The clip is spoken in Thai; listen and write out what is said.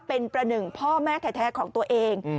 เป็นประหนึ่งพ่อแม่แท้ของตัวเอง